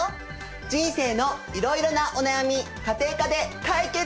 人生のいろいろなお悩み家庭科で解決しよう！